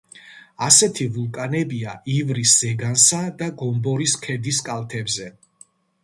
ასეთი ვულკანებია ივრის ზეგანსა და გომბორის ქედის კალთებზე.